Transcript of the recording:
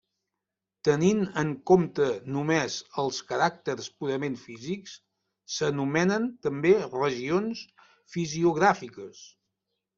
Tenint en compte només els caràcters purament físics s'anomenen també regions fisiogràfiques.